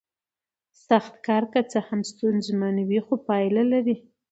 سخت کار که څه هم ستونزمن وي خو پایله لري